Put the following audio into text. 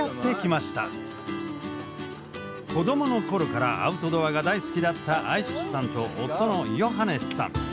子供の頃からアウトドアが大好きだったアイシスさんと夫のヨハネスさん。